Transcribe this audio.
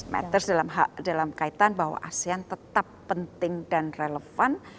matters dalam kaitan bahwa asean tetap penting dan relevan